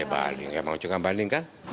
ya banding emang ajukan banding kan